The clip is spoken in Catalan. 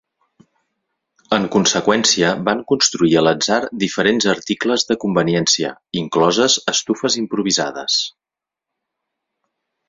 En conseqüència, van construir a l'atzar diferents articles de conveniència, incloses estufes improvisades.